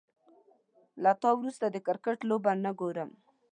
له تا وروسته، د کرکټ لوبه نه ګورم